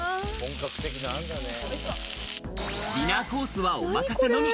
ディナーコースはおまかせのみ。